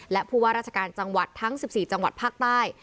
และผู้ว่าราชการจังหวัดทั้ง๑๔จังหวัดภาคใต้